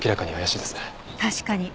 確かに。